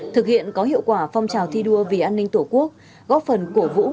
thực hiện có hiệu quả phong trào thi đua vì an ninh tổ quốc góp phần cổ vũ